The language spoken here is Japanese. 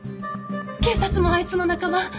警察もあいつの仲間。